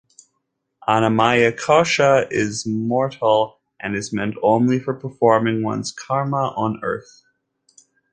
Annamaya Kosha, is mortal and is meant only for performing ones Karma on earth.